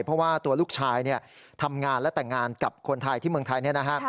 เพราะว่าตัวลูกชายทำงานและแต่งงานกับคนไทยที่เมืองไทยเนี่ยนะฮะ